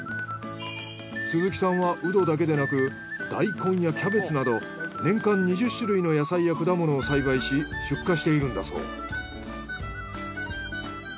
鈴木さんはうどだけでなくダイコンやキャベツなど年間２０種類の野菜や果物を栽培し出荷しているんだそう。